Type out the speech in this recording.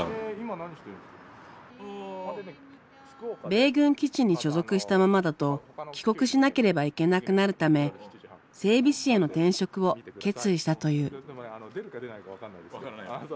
米軍基地に所属したままだと帰国しなければいけなくなるため整備士への転職を決意したという。